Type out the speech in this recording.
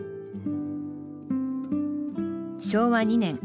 昭和２年。